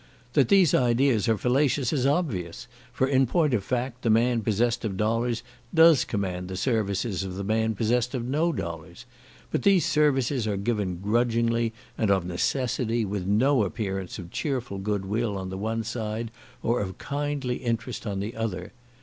That these ideas are fallacious, is obvious, for in point of fact the man possessed of dollars does command the services of the man possessed of no dollars; but these services are given grudgingly, and of necessity, with no appearance of cheerful goodwill on the one side, or of kindly interest on the other.